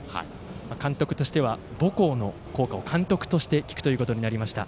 監督としては、母校の校歌を監督として聞くことになりました。